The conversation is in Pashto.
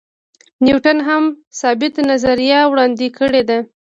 نیوټن هم ثابته نظریه وړاندې کړې ده.